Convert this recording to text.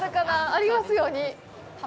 ありますように。